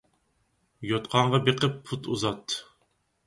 يوتقانغا بېقىپ پۇت ئۇزات.